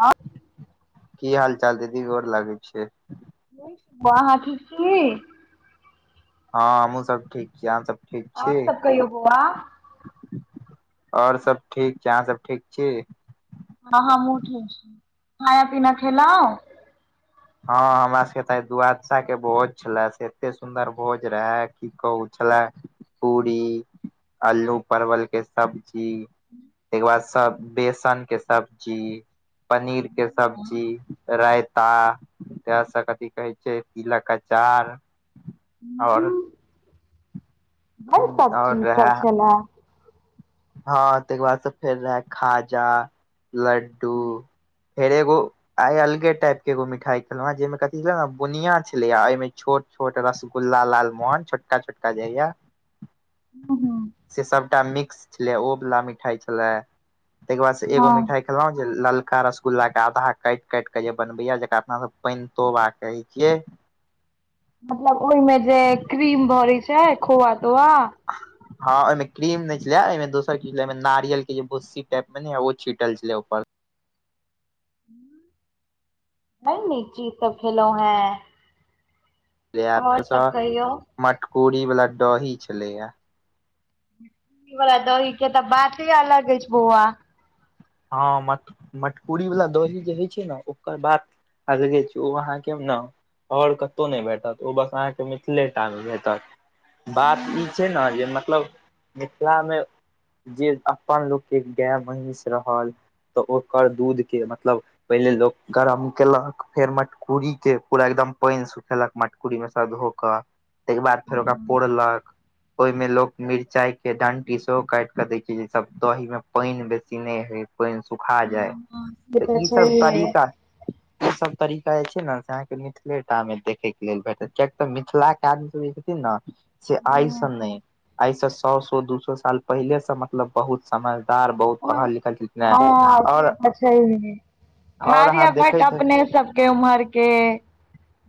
हां [unintelligible] की हाल चाल दीदी? गोर लागै छियेन। बाउ अहां ठीक छी [unintelligible] हाॅं हमहहुँ सब ठीक छी। अहां सब ठीक आओर छी? सब कहियौ बौआ ओर सब ठीक छै। अहाँ सब ठीक छी? हाॅं हँमहू ठीक छी। खाना पीना खेलउ? हाॅं हमरा सबके त आइ दुआादशा के भोज छले से एते सुन्दर भोज रहे की कहू छले। पूरी अल्लू परवल के सब्जी ते के बाद से बेसन के सब्जी पनीर के सब्जी रायता त सब कथी कहै छै तिल के अचार ओर ओर सब्जी सब छलए? हाॅं ते के बाद से फेर रहै खाजा लड्डू फेर एगो आ अलगे टाइप के एगो मिठाई खेलहूॅं हे जे में कथि छले ने बुनिया छले आ ओहिमे छोट छोट रसगुल्ला लाल मोहन छोटका छोटका जे होये। हूँ हूँ से सबटा मिक्स छलै ओ वला मिठाइ छलै। ते के बाद से एगो हँ मिठाइ खेलों जे ललका रसगुल्ला के आधा काट काट के जे बनबे ये जेकरा अपना सब पेन तोबा कहे छिये। मतलब ओहिमे जे क्रीम भरी छै खोआ तोआ? ह हँंहिमे क्रीम नहि छलै एहिमे दोसर की छल नारियल के जे भुस्सी टाइप मे ने ओ छींटल छलै ऊपर। नहि नीचीज त खेलौ हैं। [unintelligible] कहियौ मटकूरी वाला दडही छलेया। उ वला दहि के तऽ बाती अलग ह अछि बौआ। हँ मट मटकूरीवला दही जे होइ छै ने ओकर बात। अलगे छै ओ अहाँ के न। आओर कतहु नहि भेटत ओ बस अहाँके मिथिलेटा मे भेटत। बात ई हूँ छै न जे मतलब। मिथिला मे जे अपन लोकके गाय महीष रहल। तऽ ओकर दूधके मतलब। पहिले लोक गरम केलक फेर मटकूरी के पूरा एकदम पाइन सऽ। खेलक मटकुरी मे सब धो क तहिके बाद फेर ओकरा पौरलक। ओहि में लोग मिरचाई के डंटी सेहो काट क द छै सब दही मे पानि बेस। चीहै हइ पानि सुखा जाइ हँ से तऽ ई सब छैहे तरीका। सब तरीका जे छै ने से अहाँके मिथिलेटा मे देखैके लेल भेटत कियक तऽ मिथिला के आदीसभ जे छथिन ने से आइ से हँ नहि आइ से सए सए दू सए साल पहिले से मतलब बहुत समझदार बहुत। और पढ़ल लिखल छलखिन हेँ हां से आओर तऽ छहिए। आओर भार्य अहाँ भेटत देखैत अपने सबके उमहर। के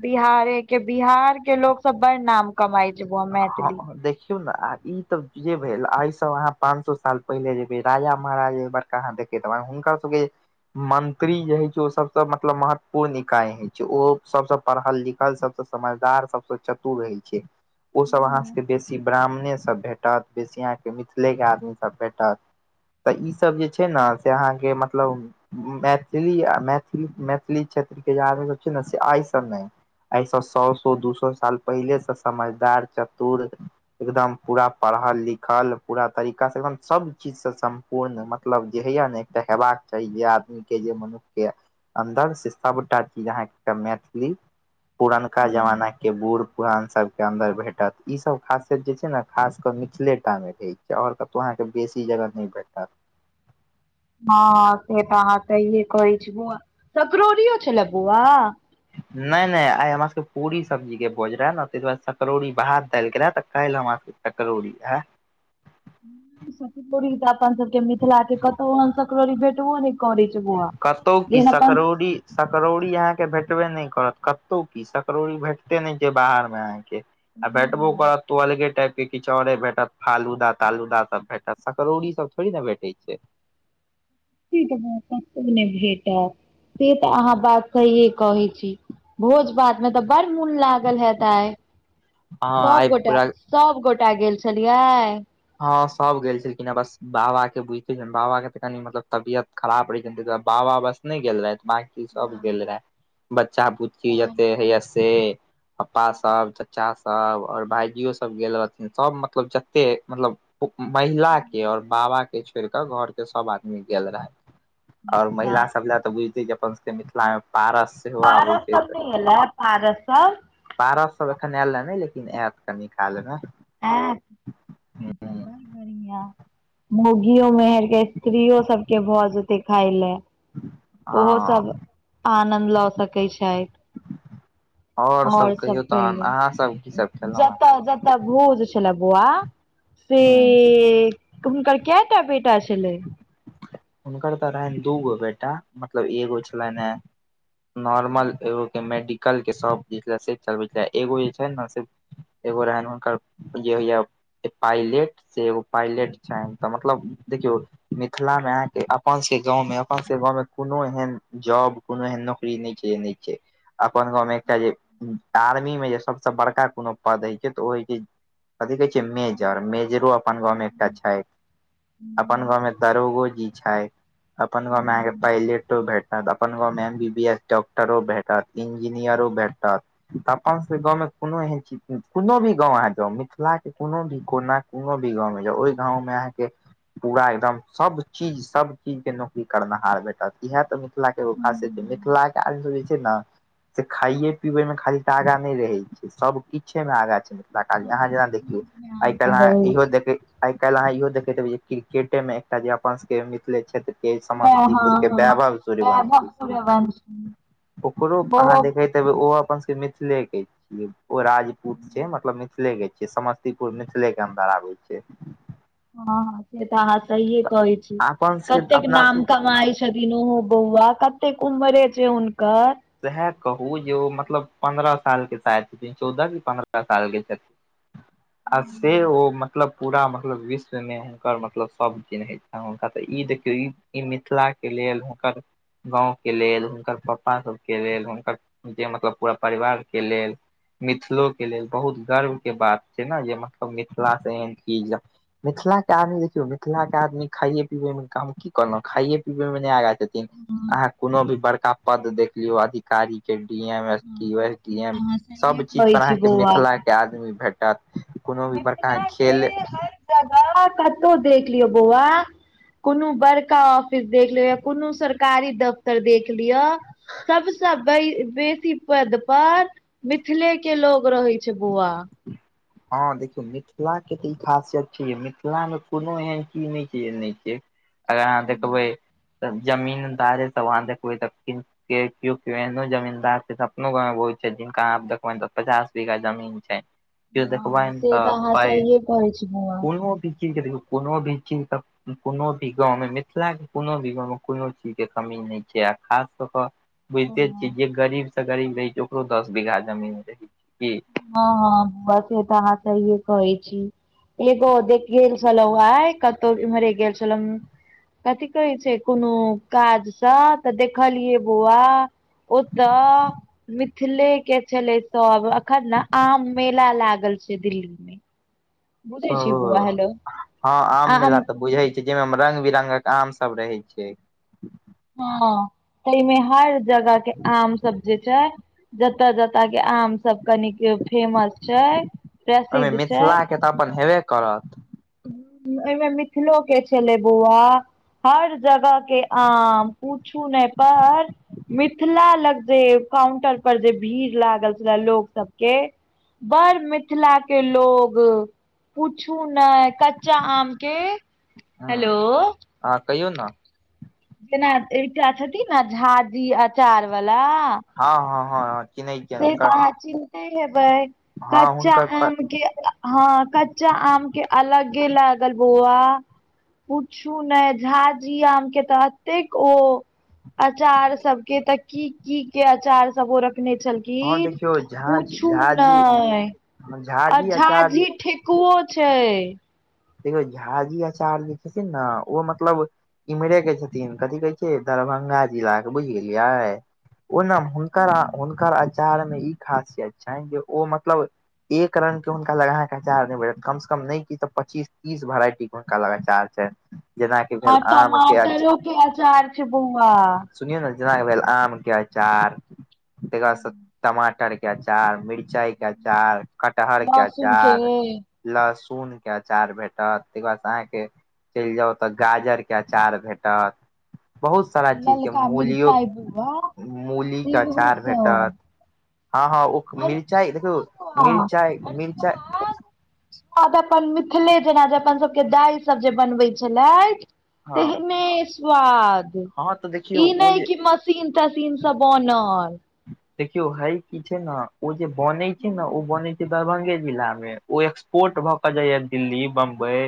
बिहारे के बिहार के लोक सब बड़ नाम। कमाइ छै बौआ हँ मैथिली देखि। देखौ ने आ ई तऽ जे भेल एहि सबहाँ पांच सए साल पहिले जेबे राजा महाराजा। क हां देखैत हेवे हुनकर सबके। मंत्री जे होइ छै ओ सबसँ मतलब महत्वपूर्ण इकााय हइ छै ओ सबसँ पढ़ल लिखल सबस‌। समझदार सबसँ चतुर रहै छै ओ सब हँ अहाँ सब के बेसी ब्राह्मणे सब भेट। भेटत बेसिया के मिथिले के आदमी सब भेटत। तऽ ई सब जे छै न से अहाँके मतलब। मैथिली मैथिल मैथिली क्षेत्र के जे आदमी सब छै ने से आइ सब नहि। एहिऐस सए सए दू सए साल पहिलेसँ समझदार चतुर। एकदम पूरा पढ़ल लिखल पूरा तरीका से एकदम सब चीजसँ। पूर्ण मतलब जे होइया ने एकटा हेबाक चाही जे आदमीके जे मनुष्यके। अन्दर से सबटा चीज अहाँके मैथिली। पुरनका हँ जमाना के बूढ़ पुरान सब। के अन्दर भेटत ई सब खासियत जे छै ने खास कऽ मिथिलेटा मे रहै छै आओर। तऽ अहाँके बेसी जगह नहि भेटत। हँ से तऽ हह कहि कह छीये बउआ सकरोरीयो छलै बउआ। नहि नहि आइ हमरा सबके पूरी सब्जी के भोज रहे न ताहि दुआरे सकरौरी भात दालि गेल रहे तऽ काल्हि हमरा सब। सकरोड़ी है। सकरौडी तऽ अपन सबके मिथिला के कतौ सकड़ौरी भेटबो ने करै छै बौआ। कतौ की जेहन अपन सकरोडी। सकरोडी अहाँके भेटबे नहि करत कतहु की सकरोड़ी भेटते नहि छै बाहर में अहाँके‌। आ भेटबो करऽ तो अलगे टाइप। किछु आरे भेटत फालूदा तालूदा सब भेटत सकरौड़ी सब थोड़ी ने भेटे छै। फ्रीज में कतौ नहि भेटत। से त अहाँ बात सहिे कहे छी भोज भात में तऽ बड़ मोन लाग। लल हेत आइ अहाँ सब आइ गोटा पूरा सब गोटा गेल छलियै। हँ सभ गेल छलखिन हेँ बस। बाबा के बुझिते छ ने बाबा के तऽ कनि मतलब तबियत खराब रहै छै ने ता दुआर बाबा बस नहि गेल रहैथ। सब गेल हँ रहे बच्चा बुच्ची जते हेय से। पप्पासभ चाचासभ आओर भाायजियोसभ गेल रहथिन सभ मतलब जतेक मतलब। [unintelligible] में महिला के और बाबा के छोइड़ कऽ घर के सब आदमी गेल रहैथ। और अच्छा महिलाास सभ लै तऽ बुझिते छियै अपन सभके मिथिला मे पारस सेहो आबै पारस छै सब तऽ नहि एलै पारस सब? पारस सब एखन ऐलए नै लेकिन ऐत कनी कालमे [unintelligible] मौगियो मेहैर स्त्रीयो सबके भऽ जेतै खाइले। ओहो सब हँ आनन्द लऽ सकै छैथ। और सब तहन कहियौ अहाँ सब की सब खेलहुँ जत जत भोजो जे छलै बौआ से ह हुनकर कैटा बेटा छलै? हुनकर तऽ रहनि दूगो बेटा मतलब एगो छलैनए नॉर्मल एगो के मेडिकल के शॉप जे से चलबैत छल एगो जे छै ने से एगो रहनि हुनकर जे होइया पाइलेट से एगो पायलट छैनि तऽ मतलब देखियौ मिथिला मे अहा अपन सबके गाँंवं में अपन सबके गाँव में कोनो एहन जॉब कोनो एहन नौकरी नहि छै जे नहि छै। अपन गाँवमे एकटा जे आर्मी मे जे सबस बड़का कोनो पद होइ छै तऽ ओ होइ छै कथी कहै छै मेजर मेजरो अपन गाँव मे एकटा छैथ। अपन गांव में दरोगो जी छैथ अपन गां में अहांके पैलेटो भेटत अपन गाँवमे एम बी बी एस डॉक्टरो भेटत इंजीनियरो भेटत। अपनसभके गाँवमे कोनो एहन चीज नै कोनो भी गाँव अहाँ जाउ मिथिलाके कोनो भी कोना कोनो भी गाँंव मे जाउ ओइ गाँंव में अहाँके पूरा एकदम सब चीज सभ चीजके नौकरी करनहार भेटत इएह तऽ मिथिलाके एगो खासियत छै सब मिथिलाके आदमीसभ जे छै न से खाइये पीबै में खाली तऽ आगा नै रहै छै सब किछे में आगा चलै छै। [unintelligible] अहाँ जेना देखियौ चीज मे आइ काइल अहाँ रहै इहो छै देखै आइ काइल अहाँ इहो देखैत हेबै जे क्रिकेटे मे एकटा जे अपन सबके मिथिले क्षेत्र के हँ समस्तीपुर के हँ वैभव वैभव सूर्यवंशी सूर्यवंशी ओकरो ओहो अहाँ देखैत [unintelligible] ओ अपन सबके मिथिले के ओ राजपूत छै मतलब मिथिले के छै समस्तीपुर मिथिले के अन्दर आबै छै। हँ से तऽ अहाँ सहिये कहै छी अपन सबके कतेक अपना नाम कमाई छ छथिन ओहो बौआ कतेक उमरे छै हुनकर सेहै कहू जे ओ मतलब पन्द्रह सालके शायद छथिन चौदह की पन्द्रह साल के छथिन आ से ओ मतलब पूरा मतलब विश्वमे हुनकर मतलब सभ चिन्हइ छनि हुनका तऽ ई देखियौ ई ई मिथिला के लेल हुनकर गाँंव के लेल हुनकर पप्पा सब के लेल हुनकर जे मतलब पूरा परिवार के लेल मिथिलो के लेल बहुत गर्व के बात छै न जे मतलब मिथिला स एहन चीज मिथिला के आदमी देखियौ मिथिला के आदमी खाइए पीबे मे कम की कहलौं खाइए पीबै मे नै आगा छथिन अहाँ कोनो भी बड़का पद देख लियौ अधिकारी के डी एम, एस पी, [unintelligible] डी एम सभ चीज कहै पर छी अहाँके बौआ मिथिला के आदमी भेटत कोनो भी बड़का खेल [unintelligible] कतौ देख लियौ बौआ कोनो बड़का ऑफिस देख लेबै या कोनो सरकारी दफ तर देख लिय सबस बे बेसी पदपर मिथिले के लोग रहै छै बौआ। [inaudible] हँ देखियौ मिथिला के तऽ ई खासियत छै मिथिलामे कोनो एहन चीज नइ छै जे नइ छै। अगर अहाँ देखबै हँ त जमीन्दारे सब अहाँ देखबै तऽ क्य एहनो जमीनदार छै तऽ अपनो गाँवं बहु छै जिनका आप देखबै तऽ पचास बीघा जमीन छै। के देखबै हँ, से तऽ अहाँ पााय सहिए कहै छी बौआ कोनो भी चीज के देखियौ कोनो भी चीज त कोनो भी गाँवमे मिथिलाके कोनो भी गाँवमे कोनो चीजके कमी नहि छै आ खास कऽ कऽ बुझिते हँ छियै जे गरीब से गरीब रहै छै ओकरो दस बीघा जमीन रहै छै। ह ह ब से त अहा सहिये कहैय छी एगो देख गेल छलहु आय कतहु एम्हरे गेल छलहु। कथी कहैय छै कोनो काजस त देखलियै बौआ। ओतय मिथिले के छलैय तब अखन न आम मेला लागल छै दिल्ली मे। ओ बुझै छी बौआ हेलो ह आम मेला त बुझै छीं। जाहिमे मे रंग बिरंगक आम सब रहैय छैय। ह ताहिमे हर जगह के आम सब जे छै। जतय जतय के आम सब कनिक फेमस छैय। ओहिमे मिथिला के त अपन होइबे करत। ओहिमे मिथिलो के छेलै बौआ। हर जगह के आम पूछू नैय पर मिथिला लग जे काउंटर पर जे भीड़ लागल छलैय लोग सब के बड़ मिथिला के लोग पूछू ने। कच्चा आम के हेलो ह कहियौ न। जेना एकटा छथिन न झा जी अचार वला। ह-ह-ह-ह से त अहा चिन्हते हेबैय हँ कच्चा हुनकर आम के ह कच्चा आम के अलगे लागल बौआ। पूछू नहि झा जी आम के त अतेक ओ अचार सब के त की की के अचार सब ओ रखने छल। की हँ देखियौ झा पूछू झा जी नहि। आ जी झा आचार्य जी ठेकुओ छैय। देखियौ झाजी अचार जे छथिन न ओ मतलब एम्हरे के छथिन कथि कहैय छै दरभंगा जिला के बुझि गेलियै। ओ ने हुनकर हुनकर आचार मे ई खासियत छनै जे ओ मतलब एक रगं के हुनका लग अचार नैय भेटत कम से कम नहि किछ त पच्चीस तीस भेराइटी के हुनका लग अचार छै। आ टमाटरो के अचार छै बौआ। सुनियौ न जेना भेल आम के अचार तकर बाद टमाटर के क अचार मिरचाय के अचार, कटहर के लहसुन के अचार, लहसुन के अचार अचार भेटत तहिके बाद से अहाके चलि जाउ त गाजर के अचार भेटत। बहुत सारा चीजके मूलियो मूलीके अचार भेटत। ह ह ओ आर मिरचाय सुनू देखियौ न बौआ मिरचाय मिरचाय ह त अपन मिथिले जेना जे अपन सबके दाय सब जे बनबै छेलैथ। हँ तेहनेे स्वाद हँ तऽ देखियौ ई ओ नहि जे कि मस सीन तसीनस बनल। देखियौ हे की छै न ओ जे बनैय छैय न ओ बनयै छैय। दरभंगे जिलाम ओ एक्सपोर्ट भ क जाइय दिल्ली बंबई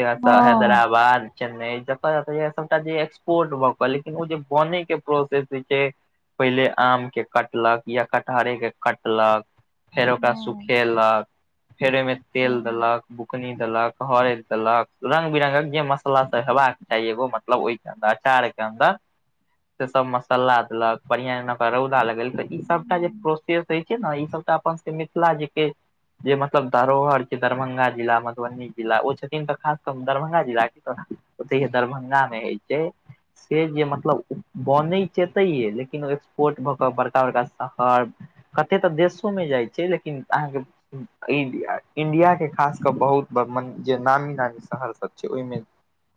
या त हँ हैदराबाद चेन्नई जतय जाय आबैय सबटा जे एक्सपोर्ट भ क लेकिन ओ जे बनयै के प्रोसेस होय छै पहिले आम के कटलक या कटहरे के कटलक फेर ओकरा हँ सुखेलक फेर ओहिमे तेल देलक बुकनी देलक, हरैद देलक, रंग बिरंगक जे मसाला सब हेबाक चाही एगो मे मतलब ओहि अचार के अन्दर से सब मसाला देलक बढ़िया जेना रौदा लागल त इ सभटा जे प्रोसेस होइ छै न इ सभटा अपन सभक मिथिला के जे जे मतलब धरोहर छै दरभंगा जिला मधुबनी जिला ओ छथिन त खासकर क दरभंगा जिलाके त ओतहि दरभंगा मे होइ छै से जे मतलब बनै छै एतैये लेकिन पोर्ट भऽ कऽ बड़का बड़का शहर कते तऽ देशो में जाइ छै लेकिन अहाँके इंडिया के खास कऽ बहुत जे नामी नामी शहर सब छै ओहिमे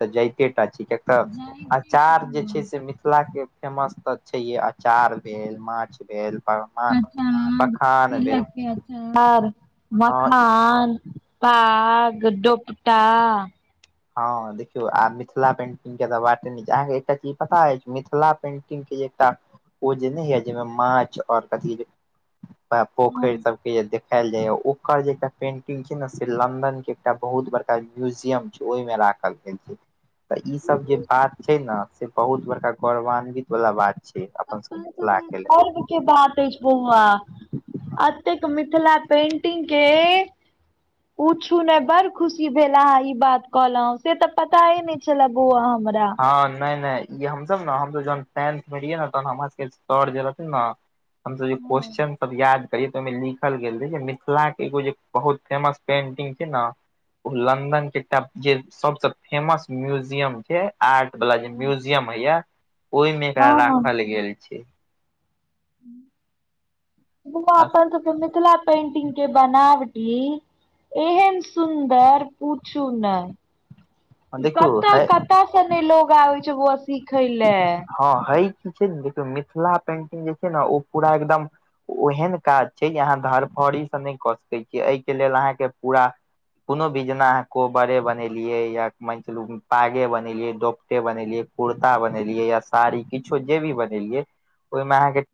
तऽ जाइते टा छै कियाक तऽ अचार जे छै से मिथिला के फेमस तऽ छैे हे अचार भेल, माछ भेल पकवान अचार, पखान भेल तिलक के अचार, हँ मखान पाग, दोपटा हँ देखियौ आ मिथिला पेंट बाते नहि छै, अहाँकेँ एकटा चीज पता अछि मिथिला पेन्टिंग के जे एकटा ओ जे नहि होइये जाहिमे माछ आओर कथी पोखरि सब के जे देखायल जाइये ओकर जे एकटा पेंटिंग छै ने से लंन्दन के एकटा बहुत बड़का म्यूजियम ओहिमे राखल गेल छै तऽ ई सब जे बात छै ने से बहुत बड़का गौरवान्वित वला बात छै अपन सभके मिथिलाके लेल। बाते [unintelligible] बौआ, एतेक मिथिला पेंटिंग के पुछु ने बड़ खुशी भेल अहिं ई बात कहलहु से तऽ पता हे ने छले। छले बौआ हमरा। हँ नै नै ई हमसब ने हमसब जखन टेंथ मे रहियै ने तखन हमरा सबके सर जे रहथिन ने हमसब जे क्वेश्चन सब याद कर तऽ ओहिमे लिखल गेल रहै जे मिथिला के एगो जे बहुत फेमस पेंटिंग छै ने ओ लन्दन के एकटा जे सबसे फेमस म्यूजियम के आर्ट वाला जे म्यूजियम होइये ओहि मे एकरा हँ राखल गेल छै। जेना आ अपन सबके मिथिला पेंटिंग के बनावटी एहन सुन्दर पूछू नै। देखियौ कतऽ है कतऽ से ने लोग आबै छै बौआ सिखै ले। हँ हइ की छै ने देखियौ मिथिला पेंटिंग जे छै ने ओ पूरा एकदम ओहन काज छै जे अहाँ धड़फड़ीसँ नहि कऽ सकैत छियै, एहिके लेल अहाँके पूरा कोनो भी जेना अहां कोहबरे बनेलियै या मानल पागे बनेलियै, डोपटे बनेलियै, कुर् ता बनेलियै या साड़ी किछो जे भी बनेलियै ओहिमे अहाँके